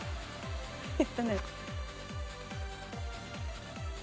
えっとね。